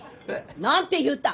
何て言うた？